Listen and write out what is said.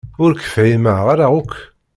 Ur k-fhimeɣ ara akk.